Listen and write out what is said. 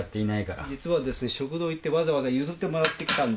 実はですね食堂行ってわざわざ譲ってもらってきたんです。